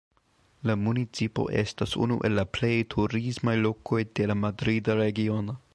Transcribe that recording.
La municipo estas unu el la plej turismaj lokoj de la Madrida Regiono.